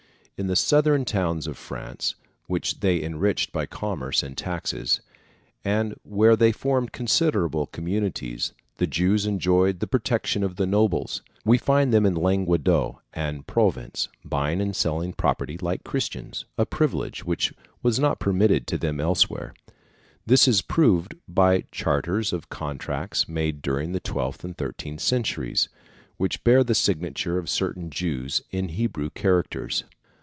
In the southern towns of France, which they enriched by commerce and taxes, and where they formed considerable communities, the Jews enjoyed the protection of the nobles. We find them in Languedoc and Provence buying and selling property like Christians, a privilege which was not permitted to them elsewhere: this is proved by charters of contracts made during the twelfth and thirteenth centuries, which bear the signature of certain Jews in Hebrew characters.